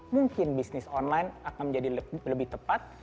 mungkin bisnis online akan menjadi lebih tepat